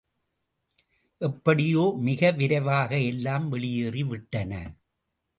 எப்படியோ மிக விரைவாக எல்லாம் வெளியேறிவிட்டன.